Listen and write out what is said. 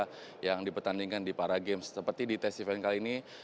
ada atletik yang dipertandingkan di paragames seperti di tes event kali ini